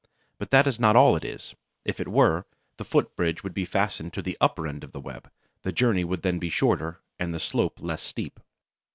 But that is not all it is. If it were, the foot bridge would be fastened to the upper end of the web. The journey would then be shorter and the slope less steep.